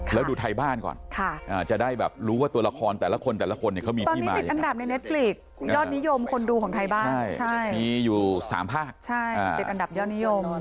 ยอดนิยมคนดูของไทยบ้านใช่มีอยู่สามภาคใช่เต็มอันดับยอดนิยม